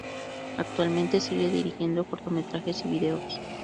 Actualmente sigue dirigiendo cortometrajes y vídeos.